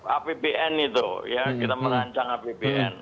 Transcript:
apbn itu ya kita merancang apbn